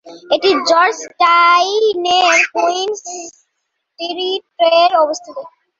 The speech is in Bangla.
এটি জর্জ টাউনের কুইন স্ট্রিটে অবস্থিত।